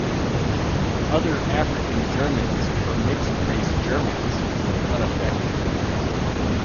Other African-Germans or mixed race Germans were unaffected.